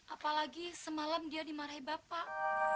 apalagi semalam dia dimarahi bapak